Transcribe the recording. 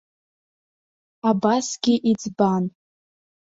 Абасгьы иӡбан.